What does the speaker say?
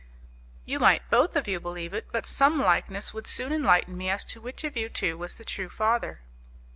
"You might both of you believe it, but some likeness would soon enlighten me as to which of you two was the true father."